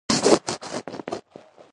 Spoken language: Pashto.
ملي ټلویزیونونه خپل نشراتي خطوط.